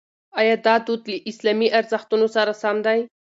ایا دا دود له اسلامي ارزښتونو سره سم دی؟